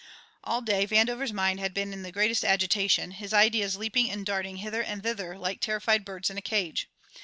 All day Vandover's mind had been in the greatest agitation, his ideas leaping and darting hither and thither like terrified birds in a cage.